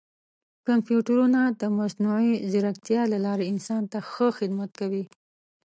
کمپیوټرونه د مصنوعي ځیرکتیا له لارې انسان ته ښه خدمت کوي.